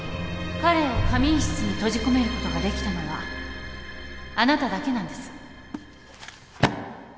彼を仮眠室に閉じ込めることができたのはあなただけなんです。